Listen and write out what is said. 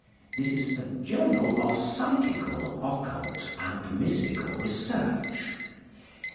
This is "a Journal of Psychical, Occult, and Mystical Research."